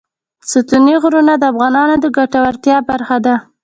ستوني غرونه د افغانانو د ګټورتیا برخه ده.